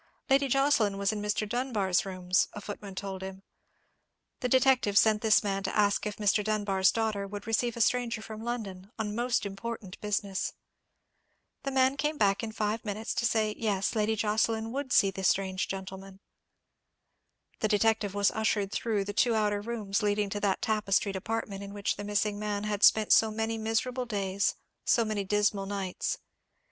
Lady Jocelyn was in Mr. Dunbar's rooms, a footman told him. The detective sent this man to ask if Mr. Dunbar's daughter would receive a stranger from London, on most important business. The man came back in five minutes to say yes, Lady Jocelyn would see the strange gentleman. The detective was ushered through the two outer rooms leading to that tapestried apartment in which the missing man had spent so many miserable days, so many dismal nights.